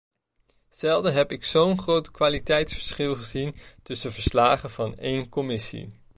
Zelden heb ik zo´n groot kwaliteitsverschil gezien tussen verslagen van één commissie.